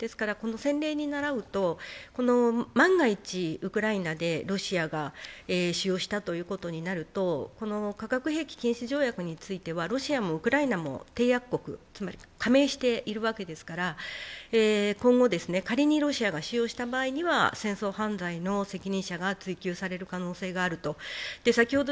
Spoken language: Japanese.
この先例にならうと、万が一ウクライナでロシアが使用したということになると化学兵器禁止条約についてはロシアもウクライナも締約国、つまり加盟しているわけですから、今後、仮にロシアが使用した場合には戦争犯罪の責任者が追及される可能性があると。